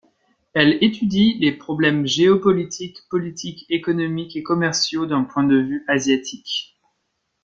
Elle étudie les problèmes géopolitiques, politiques, économiques et commerciaux d'un point de vue asiatique.